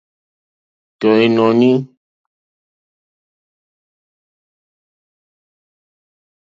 Tɔ̀ ìnɔ̀ní.